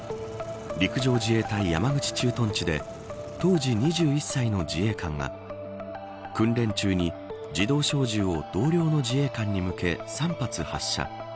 陸上自衛隊山口駐屯地で当時２１歳の自衛官が訓練中に自動小銃を同僚の自衛官に向け３発発射。